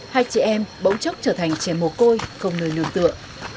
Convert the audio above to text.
hai chị em bỗng chốc trở thành trẻ mồ côi không nơi nương tựa